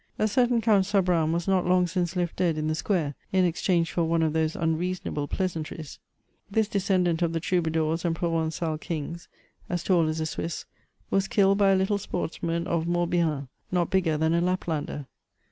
A certain Count Sabran was not long since left dead in the square, in exchange for one of those unreasonable pleasantries. This descendant of the troubadours and provengal kings, as tall as a Swiss, was killed by a little sportsman of Morbihan, not bigger than a Laplander.